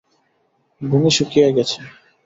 ভূমি শুকিয়ে গেছে।